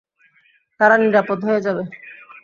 তারা নিরাপদ হয়ে যাবে।